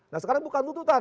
nah sekarang bukan tuntutan